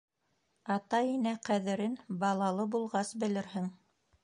Ата-инә ҡәҙерен балалы булғас белерһең